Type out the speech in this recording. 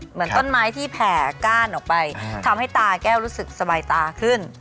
เหมือนต้นไม้ที่แผ่ก้านออกไปทำให้ตาแก้วรู้สึกสบายตาขึ้น